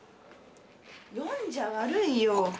読んじゃ悪いよ。